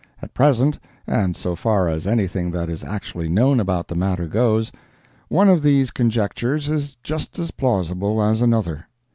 At present, and so far as anything that is actually known about the matter goes, one of these conjectures is just as plausible as another.